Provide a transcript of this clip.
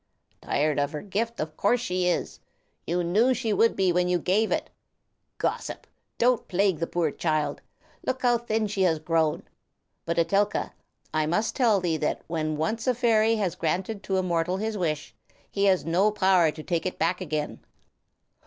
"Tired of her gift, of course she is! You knew she would be when you gave it, Gossip! Don't plague the poor child. Look how thin she has grown. But, Etelka, I must tell thee that when once a fairy has granted to a mortal his wish, he has no power to take it back again."